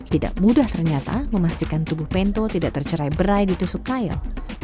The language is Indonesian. tidak mudah ternyata memastikan tubuh pento tidak tercerai berai di tusuk kail